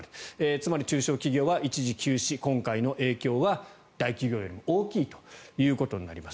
つまり中小企業は一時休止今回の影響は大企業よりも大きいということになります。